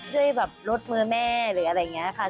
ด้วยแบบลดมือแม่หรืออะไรอย่างนี้ค่ะ